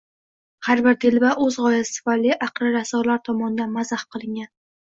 har bir «telba» o‘z g‘oyasi tufayli «aqli raso»lar tomonidan mazax qilingan.